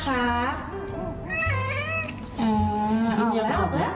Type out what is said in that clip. อ๋อออกแล้ว